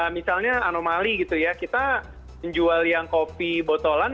misalnya anomali gitu ya kita menjual yang kopi botolan